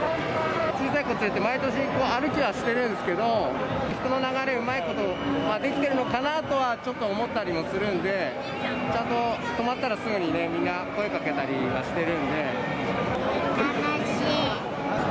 小さい子連れて、毎年歩きはしてるんですけど、人の流れ、うまいことできてるのかなとはちょっと思ったりもするんで、ちゃんと止まったらすぐにね、楽しい。